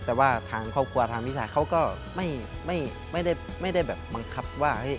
แต่ว่าทางครอบครัวทางพี่ชายเขาก็ไม่ได้แบบบังคับว่า